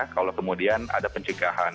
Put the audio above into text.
kalau kemudian ada pencegahan